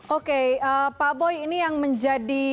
oke pak boy ini yang menjadi